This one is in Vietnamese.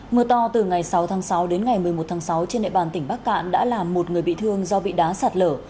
mưa to từ ngày sáu tháng sáu đến ngày một mươi một tháng sáu trên địa bàn tỉnh bắc cạn đã làm một người bị thương do bị đá sạt lở